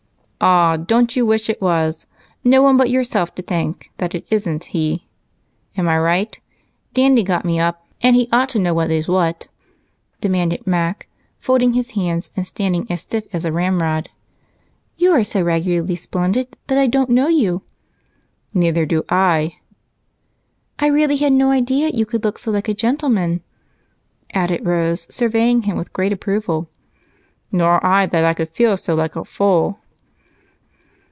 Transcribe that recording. "Ah, don't you wish it was? No one but yourself to thank that it isn't he. Am I right? Dandy got me up, and he ought to know what is what," demanded Mac, folding his hands and standing as stiff as a ramrod. "You are so regularly splendid that I don't know you." "Neither do I." "I really had no idea you could look so like a gentleman," added Rose, surveying him with great approval. "Nor that I could feel so like a fool."